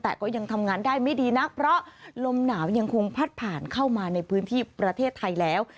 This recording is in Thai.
แต่ก็ยังทำงานได้ไม่ดีนักเพราะลมหนาวยังคงพัดผ่านเข้ามาในพื้นที่ประเทศไทยแล้ว